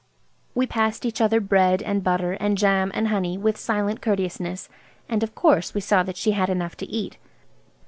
We passed each other bread and butter and jam and honey with silent courteousness. And of course we saw that she had enough to eat.